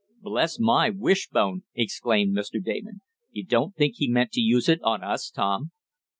"Bless my wishbone!" exclaimed Mr. Damon. "You don't think he meant to use it on us, Tom?"